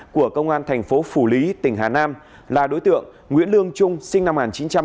của công an thành phố phủ lý tỉnh hà nam là đối tượng nguyễn lương trung sinh năm một nghìn chín trăm tám mươi